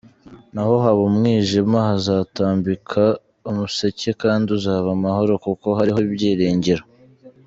N’aho haba umwijima hazatambika umuseke kandi uzaba amahoro kuko hariho ibyiringiro.